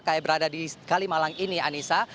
saya berada di kalimalang ini anissa